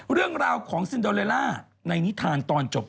เรื่องราวของซินโดเลล่าในนิทานตอนจบ